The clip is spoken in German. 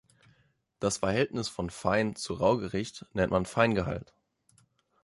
Das Verhältnis von Fein- zu Raugewicht nennt man Feingehalt.